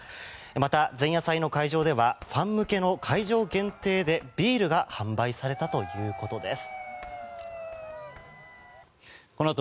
また前夜祭の会場ではファン向けの会場限定でビールが販売されたということです。